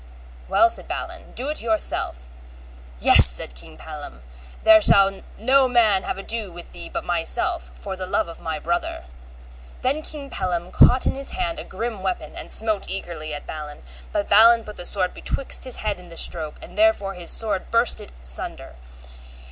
Well, said Balin, do it yourself. Yes, said King Pellam, there shall no man have ado with thee but myself, for the love of my brother. Then King Pellam caught in his hand a grim weapon and smote eagerly at Balin; but Balin put the sword betwixt his head and the stroke, and therewith his sword burst in sunder.